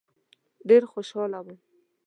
ډېر خوشاله وم.